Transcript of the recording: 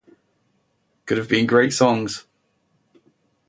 Could have been great songs.